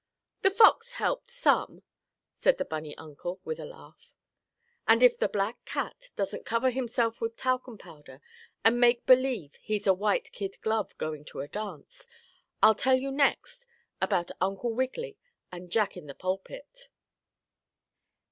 "The fox helped some," said the bunny uncle, with a laugh. And if the black cat doesn't cover himself with talcum powder and make believe he's a white kid glove going to a dance, I'll tell you next about Uncle Wiggily and Jack in the Pulpit.